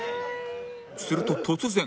すると突然